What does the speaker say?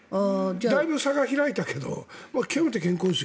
だいぶ差が開いたけど極めて健康です。